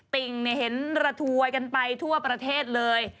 ติ่งเห็นระถวยกันไปทั่วประเทศเลย